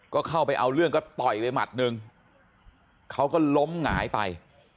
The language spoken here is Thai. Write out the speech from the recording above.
ก็เข้าไปเอาเรื่องก็ต่อยไปหมัดหนึ่งเขาก็ล้มหงายไป